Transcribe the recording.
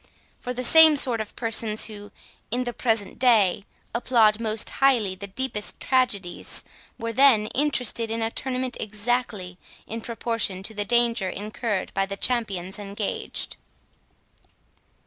For the same sort of persons, who, in the present day, applaud most highly the deepest tragedies, were then interested in a tournament exactly in proportion to the danger incurred by the champions engaged.